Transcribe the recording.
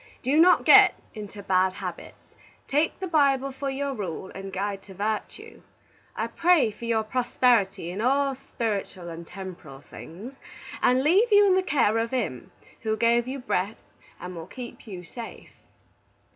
Do not git into bad habbits. Take the Bible for your rule and guide to vartue. I pray for your prosperity in all spiritall and temporrall things, and leave you in the care of Him who gave you breath and will keep you safe.